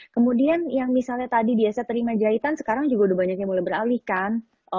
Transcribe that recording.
kemudian yang misalnya tadi biasa terima jahitan sekarang juga udah banyaknya mulai beralih kan